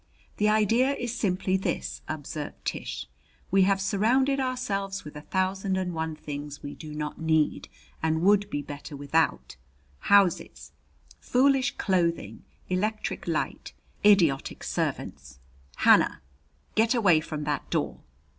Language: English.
"The idea is simply this," observed Tish: "We have surrounded ourselves with a thousand and one things we do not need and would be better without houses, foolish clothing, electric light, idiotic servants Hannah, get away from that door!